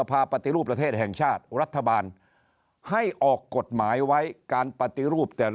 ปฏิรูปประเทศแห่งชาติรัฐบาลให้ออกกฎหมายไว้การปฏิรูปแต่ละ